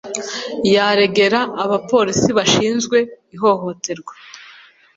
yaregera abapolisi bashinzwe ihohoterwa,